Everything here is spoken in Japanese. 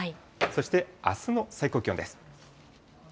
そして、あすの最高気温です。